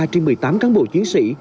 trên một mươi tám cán bộ chiến sĩ